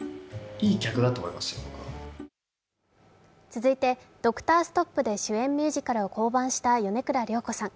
続いてドクターストップで主演ミュージカルを降板した米倉涼子さん。